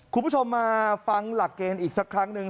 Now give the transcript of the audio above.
คุณผู้ชมมาฟังหลักเกณฑ์อีกสักครั้งหนึ่ง